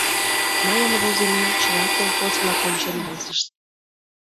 Мыйын возымем чыла колхоз-влак ончен возышт.